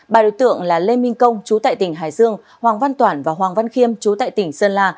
ba đối tượng là lê minh công chú tại tỉnh hải dương hoàng văn toản và hoàng văn khiêm chú tại tỉnh sơn la